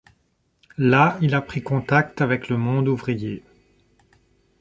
Là il a pris contact avec le monde ouvrier.